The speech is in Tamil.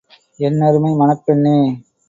என் அருமை மணப் பெண்ணே!